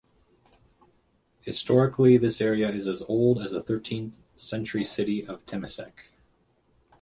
Historically, this area is as old as the thirteenth century city of Temasek.